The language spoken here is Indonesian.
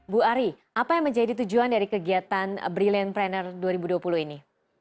bu ari apa yang menjadi tujuan dari kegiatan brilliant pranner dua ribu dua puluh ini